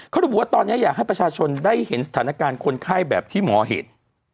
เขาระบุว่าตอนนี้อยากให้ประชาชนได้เห็นสถานการณ์คนไข้แบบที่หมอเห็น